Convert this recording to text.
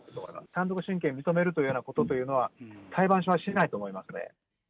単独親権を認めるというようなことというのは、裁判所はしないと思いますね。